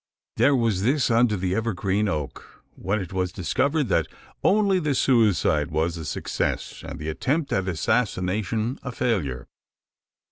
There was this under the evergreen oak, when it was discovered that only the suicide was a success, and the attempt at assassination a failure.